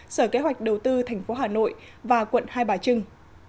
sở kế hoạch đầu tư thành phố hà nội và quận hai bà trưng